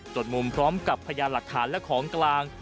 จดมุมพร้อมกับพยานหลักฐานและของกลาง